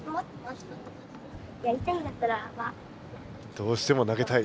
どうしても投げたい。